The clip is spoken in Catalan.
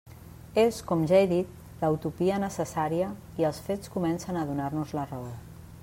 És, com ja he dit, la utopia necessària i els fets comencen a donar-los la raó.